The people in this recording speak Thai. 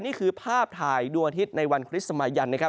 นี่คือภาพถ่ายดวงอาทิตย์ในวันคริสต์มายันนะครับ